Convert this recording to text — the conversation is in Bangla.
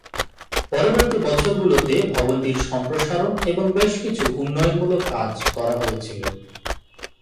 পরবর্তী বছরগুলোতে, ভবনটির সম্প্রসারণ এবং বেশ কিছু উন্নয়নমূলক কাজ করা হয়েছিল।